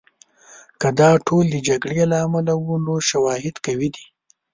که دا ټول د جګړې له امله وو، نو شواهد قوي دي.